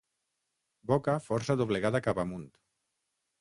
Boca força doblegada cap amunt.